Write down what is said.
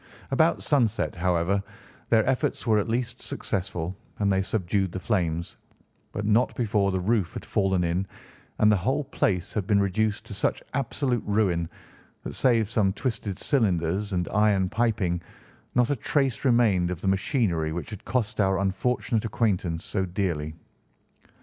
About sunset, however, their efforts were at last successful, and they subdued the flames, but not before the roof had fallen in, and the whole place been reduced to such absolute ruin that, save some twisted cylinders and iron piping, not a trace remained of the machinery which had cost our unfortunate acquaintance so dearly.